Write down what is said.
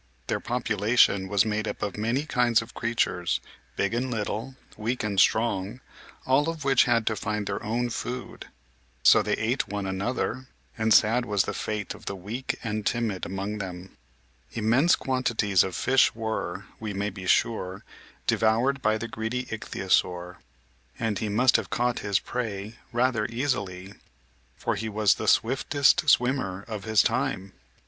Their population was made up of many kinds of creatures, big and little, weak and strong, all of which had to find their own food. So they ate one another, and sad was the fate of the weak and timid among them. Immense quantities of fishes were, we may be sure, devoured by the greedy Ichthyosaur, and he must have caught his prey rather easily, for he was the swiftest swimmer of his time.